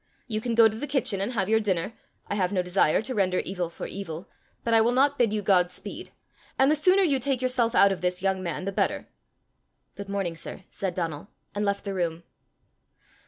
You can go to the kitchen and have your dinner I have no desire to render evil for evil but I will not bid you God speed. And the sooner you take yourself out of this, young man, the better!" "Good morning, sir!" said Donal, and left the room.